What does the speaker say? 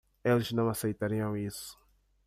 Eles não aceitariam isso.